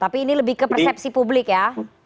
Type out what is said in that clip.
tapi ini lebih ke persepsi publik ya